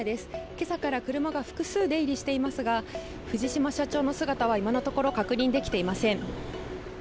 今朝から車が複数出入りしていますが藤島社長の姿は今のところ確認できていません。